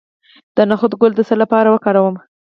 د نخود ګل د څه لپاره وکاروم؟